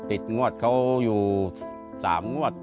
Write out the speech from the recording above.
งวดเขาอยู่๓งวด